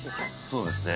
そうですね。